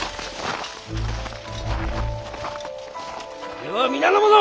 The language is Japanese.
では皆の者！